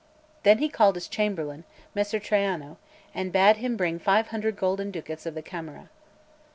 Then he called his chamberlain, Messer Traiano, and bade him bring five hundred golden ducats of the Camera.